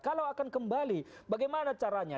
kalau akan kembali bagaimana caranya